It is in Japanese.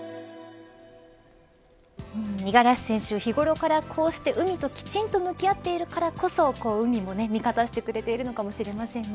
五十嵐選手、日頃からこうして海ときちんと向き合っているからこそ海も味方してくれているのかもしれませんね。